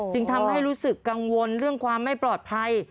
จึงทำให้รู้สึกกังวลเรื่องความไม่ปลอดภัย